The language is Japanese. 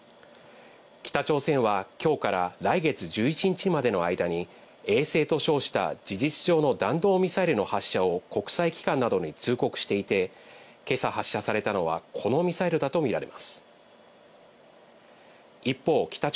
北朝鮮はきょうから来月１１日までの間に衛星と称した事実上の弾道ミサイルの発射を国際機関などに通告していて、今朝発射されたのは、このミサイルだと見られます。